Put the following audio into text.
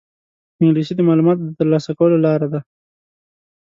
انګلیسي د معلوماتو د ترلاسه کولو لاره ده